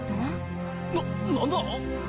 な何だ！？